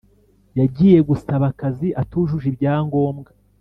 Yagiye gusaba akazi atujuje ibyangombwa